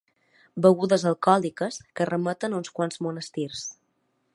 Begudes alcohòliques que remeten a uns quants monestirs.